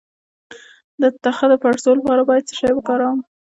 د تخه د پړسوب لپاره باید څه شی وکاروم؟